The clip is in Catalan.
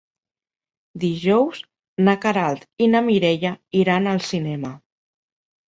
Dijous na Queralt i na Mireia iran al cinema.